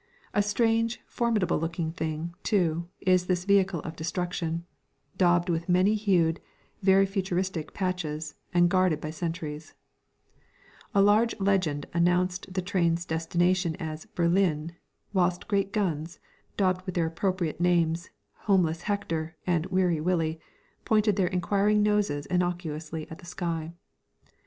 A strange, formidable looking thing, too, is this vehicle of destruction, daubed with many hued, very futuristic patches, and guarded by sentries. [Illustration: LORD ROBERTS'S FUNERAL: THE SCENE ON THE QUAY] A large legend announced the train's destination as "Berlin," whilst great guns, daubed with their appropriate names, "Homeless Hector" and "Weary Willie," pointed their inquiring noses innocuously at the sky.